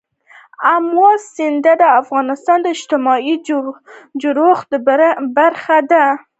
آمو سیند د افغانستان د اجتماعي جوړښت برخه ده.